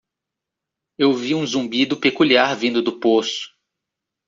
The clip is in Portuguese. Eu ouvi um zumbido peculiar vindo do poço.